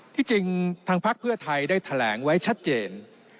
ที่จริงทางพักเพื่อไทยได้แถลงไว้ชัดเจน